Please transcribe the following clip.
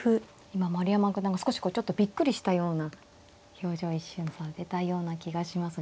今丸山九段が少しこうちょっとびっくりしたような表情を一瞬されたような気がします。